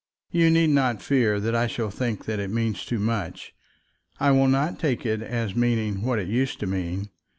You need not fear that I shall think that it means too much. I will not take it as meaning what it used to mean."